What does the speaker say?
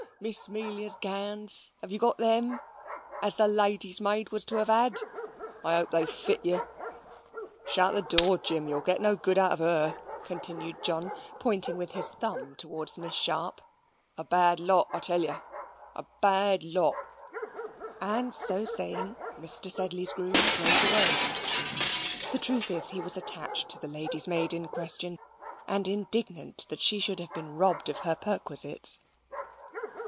Miss 'Melia's gownds have you got them as the lady's maid was to have 'ad? I hope they'll fit you. Shut the door, Jim, you'll get no good out of 'ER," continued John, pointing with his thumb towards Miss Sharp: "a bad lot, I tell you, a bad lot," and so saying, Mr. Sedley's groom drove away. The truth is, he was attached to the lady's maid in question, and indignant that she should have been robbed of her perquisites.